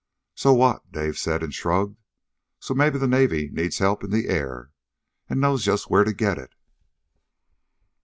"So what?" Dave said, and shrugged. "So maybe the Navy needs help in the air, and knows just where to get it."